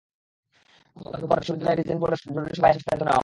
গতকাল রোববার বিশ্ববিদ্যালয় রিজেন্ট বোর্ডের জরুরি সভায় এসব সিদ্ধান্ত নেওয়া হয়।